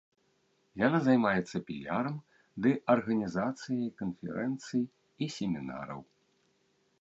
Яна займаецца піярам ды арганізацыяй канферэнцый і семінараў.